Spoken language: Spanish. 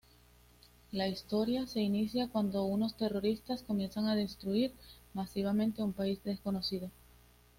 La historia se inicia cuando unos terroristas comienzan a destruir masivamente un país desconocido.